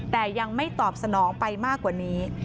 แต่ยังไม่ตอบสนองไปมากกว่านี้